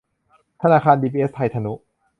ธนาคารดีบีเอสไทยทนุ